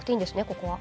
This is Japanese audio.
ここは。